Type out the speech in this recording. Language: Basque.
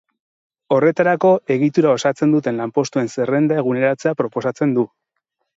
Horretarako, egitura osatzen duten lanpostuen zerrenda eguneratzea proposatzen du.